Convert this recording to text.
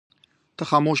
ته خاموش شه.